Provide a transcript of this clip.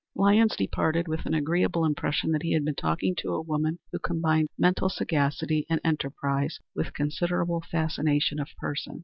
Lyons departed with an agreeable impression that he had been talking to a woman who combined mental sagacity and enterprise with considerable fascination of person.